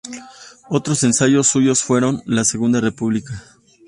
Otros ensayos suyos fueron "La Segunda República.